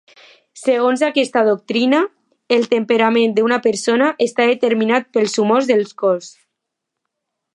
Segons aquesta doctrina, el temperament d'una persona està determinat pels humors del cos.